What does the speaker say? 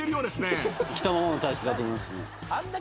来たままのだと思いますね。